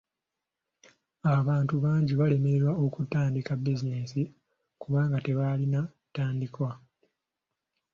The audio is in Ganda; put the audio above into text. Abantu bangi balemererwa okutandika bizinensi kubanga tebalina ntandikwa.